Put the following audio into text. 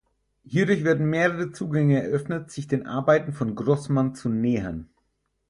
Hierdurch werden mehrere Zugänge eröffnet sich den Arbeiten von Grossmann zu nähern.